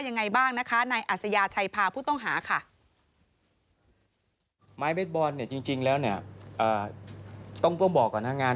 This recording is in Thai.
ยังไงบ้างนะคะนายอัศยาชัยพาผู้ต้องหาค่ะ